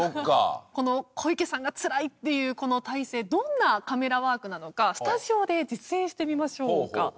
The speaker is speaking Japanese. この小池さんがつらいっていうこの体勢どんなカメラワークなのかスタジオで実演してみましょうか。